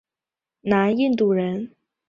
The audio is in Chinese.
南印度人。